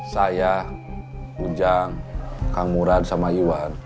saya bunjang kang murad sama iwan